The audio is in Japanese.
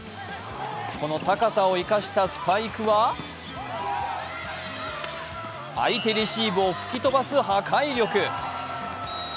この高さを生かしたスパイクは相手レシーブを吹き飛ばす破壊力。